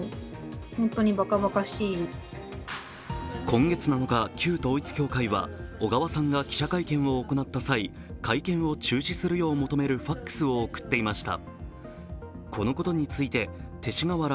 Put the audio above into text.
今月７日、旧統一教会は小川さんが記者会見を行った際会見を中止するよう求めるＦＡＸを送っていました。